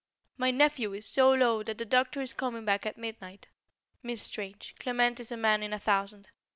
My nephew is so low that the doctor is coming back at midnight. Miss Strange, Clement is a man in a thousand.